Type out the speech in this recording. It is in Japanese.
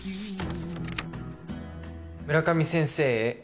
「村上先生へ。